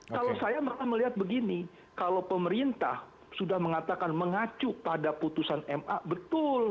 kalau saya melihat begini kalau pemerintah sudah mengatakan mengacu pada putusan ma betul